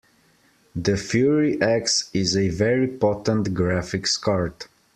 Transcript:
The Fury X is a very potent graphics card.